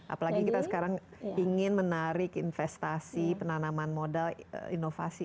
apalagi kita sekarang ingin menarik investasi penanaman modal inovasi